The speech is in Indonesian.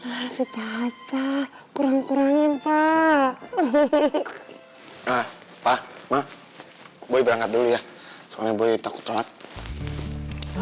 nasi papa kurang kurangin pak hehehe ah pak ma boy berangkat dulu ya soalnya boy takut banget